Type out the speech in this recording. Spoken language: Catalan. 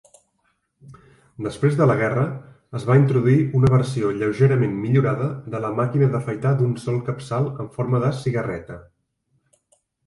Després de la guerra, es va introduir una versió lleugerament millorada de la màquina d'afaitar d'un sol capçal amb forma de cigarreta.